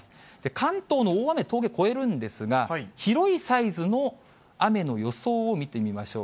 関東の大雨、峠越えるんですが、広いサイズの雨の予想を見てみましょう。